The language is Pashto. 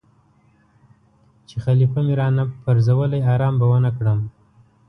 چې خلیفه مې را نه پرزولی آرام به ونه کړم.